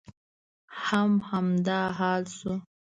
هم همدا حال شو.